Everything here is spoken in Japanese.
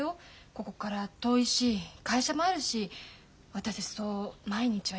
ここから遠いし会社もあるし私たちそう毎日は行けないよ。